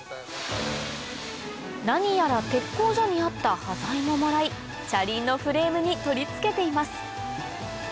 何やら鉄工所にあった端材ももらい車輪のフレームに取り付けています